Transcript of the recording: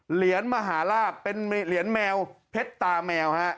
เหรียญมหาลาบเป็นเหรียญแมวเพชรตาแมวฮะ